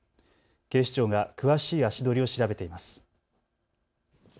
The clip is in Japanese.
警視庁が詳しい足取りを調べています。